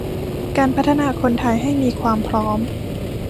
การพัฒนาคนไทยให้มีความพร้อม